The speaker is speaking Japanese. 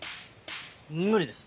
無理です。